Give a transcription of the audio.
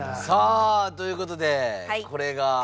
さあという事でこれが。